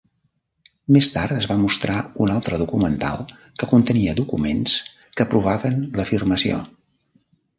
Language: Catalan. Més tard es va mostrar un altre documental que contenia documents que provaven l'afirmació.